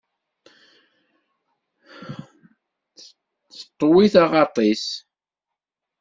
Teṭwi taɣaḍt-is.